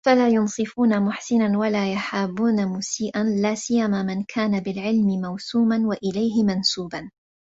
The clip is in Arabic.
فَلَا يُنْصِفُونَ مُحْسِنًا وَلَا يُحَابُونَ مُسِيئًا لَا سِيَّمَا مَنْ كَانَ بِالْعِلْمِ مَوْسُومًا وَإِلَيْهِ مَنْسُوبًا